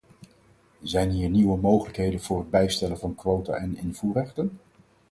Zijn hier nieuwe mogelijkheden voor het bijstellen van quota en invoerrechten?